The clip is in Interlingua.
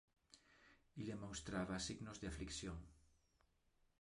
Ille monstrava signos de affliction.